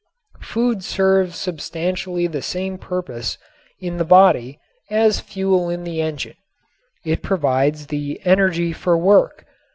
Food serves substantially the same purpose in the body as fuel in the engine. It provides the energy for work.